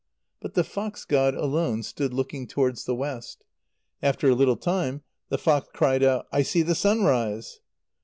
But the fox[ god] alone stood looking towards the west. After a little time, the fox cried out: "I see the sunrise."